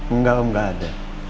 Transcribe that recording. enggak om enggak ada